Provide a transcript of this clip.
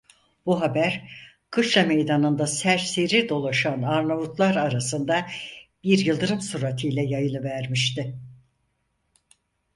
Bu haber, kışla meydanında serseri dolaşan Arnavutlar arasında bir yıldırım süratiyle yayılıvermişti.